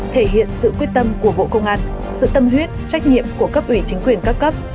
thể hiện sự quyết tâm của bộ công an sự tâm huyết trách nhiệm của cấp ủy chính quyền các cấp